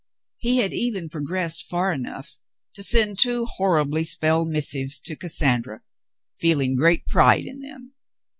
He had even pro gressed far enough to send two horribly spelled missives to Cassandra, feeling great pride in them.